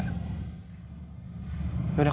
jadi aku sudah berniat